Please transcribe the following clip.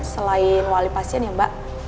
selain wali pasien ya mbak